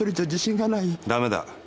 ダメだ。